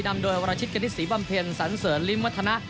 นำโดยวารชิดกะทิศศรีบำเพลินสันเสริญลิมวัฒนะ